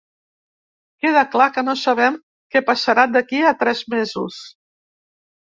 Queda clar que no sabem què passarà d’aquí a tres mesos.